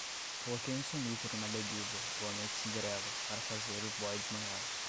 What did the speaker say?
Coloquei um sonífero na bebida, boa noite cinderela, para fazer o boy desmaiar